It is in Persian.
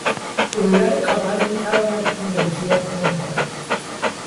بریدن کاغذ میتواند این قیچی را کند کند